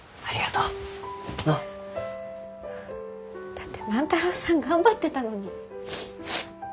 だって万太郎さん頑張ってたのに。